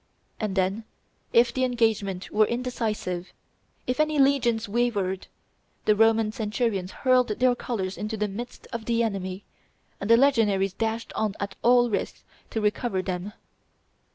And then, if the engagement were indecisive, if any legions wavered, the Roman centurions hurled their colors into the midst of the enemy, and the legionaries dashed on at all risks to recover them.